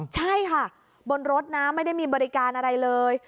ใช่ค่ะบนรถนะไม่ได้มีบริการอะไรเลย